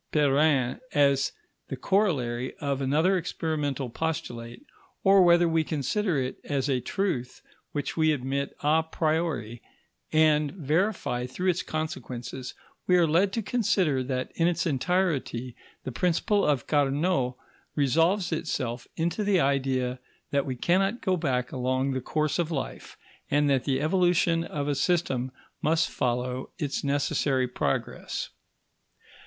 Perrin as the corollary of another experimental postulate, or whether we consider it as a truth which we admit a priori and verify through its consequences, we are led to consider that in its entirety the principle of Carnot resolves itself into the idea that we cannot go back along the course of life, and that the evolution of a system must follow its necessary progress.